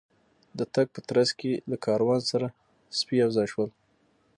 د تګ په ترڅ کې له کاروان سره سپي یو ځای شول.